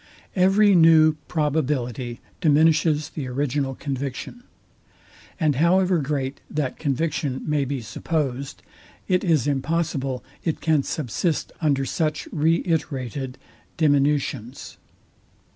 Every new probability diminishes the original conviction; and however great that conviction may be supposed, it is impossible it can subsist under such re iterated diminutions.